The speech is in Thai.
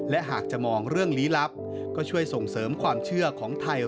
และหากจะมองเรื่องลี้ลับก็ช่วยส่งเสริมความเชื่อของไทย